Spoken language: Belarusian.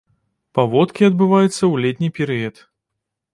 Паводкі адбываюцца ў летні перыяд.